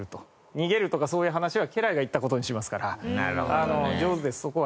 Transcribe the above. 逃げるとかそういう話は家来が言った事にしますから上手ですそこは。